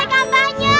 udah boleh kampanye